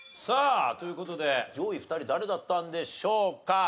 さあという事で上位２人誰だったんでしょうか。